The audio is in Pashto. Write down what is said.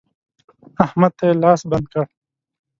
احمد ته يې لاس بند کړ.